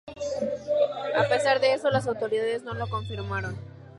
A pesar de eso, las autoridades no lo confirmaron.